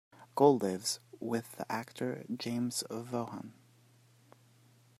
Gold lives with the actor James Vaughan.